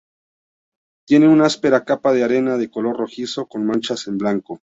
Tiene una áspera capa de arena de color rojizo con manchas en blanco.